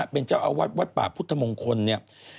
เป็นเจ้าอาวาสวัดป่าพุทธมงคลเนี่ย